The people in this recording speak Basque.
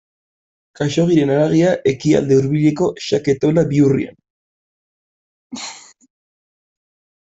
Khaxoggiren haragia Ekialde Hurbileko xake taula bihurrian.